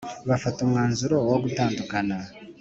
Bafata umwanzuro wo gutandukana.